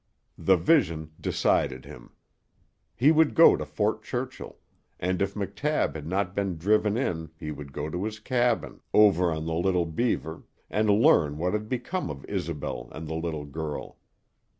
The vision decided him. He would go to Fort Churchill, and if McTabb had not been driven in he would go to his cabin, over on the Little Beaver, and learn what had become of Isobel and the little girl.